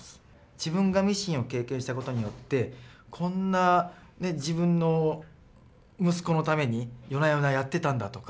自分がミシンを経験したことによってこんなね自分の息子のために夜な夜なやってたんだとか。